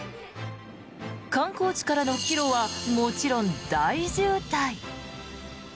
観光地からの帰路はもちろん大渋滞。